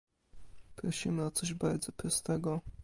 Prosimy o coś bardzo prostego